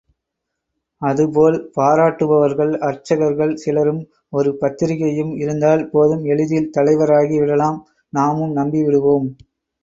அதுபோல், பாராட்டுபவர்கள் அர்ச்சகர்கள் சிலரும் ஒரு பத்திரிகையும் இருந்தால் போதும் எளிதில் தலைவராகி விடலாம் நாமும் நம்பி விடுவோம்!